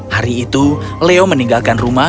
hari itu leo meninggalkan rumah